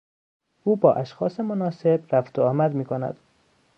او با اشخاص مناسب رفت و آمد میکند.